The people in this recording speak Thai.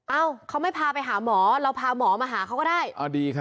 เอ้าเขาไม่พาไปหาหมอเราพาหมอมาหาเขาก็ได้